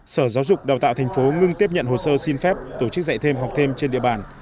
sở giáo dục đào tạo thành phố ngưng tiếp nhận hồ sơ xin phép tổ chức dạy thêm học thêm trên địa bàn